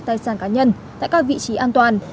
tài sản cá nhân tại các vị trí an toàn